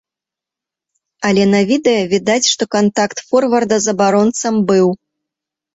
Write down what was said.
Але на відэа відаць, што кантакт форварда з абаронцам быў.